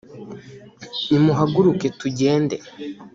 nimuhaguruke, tugende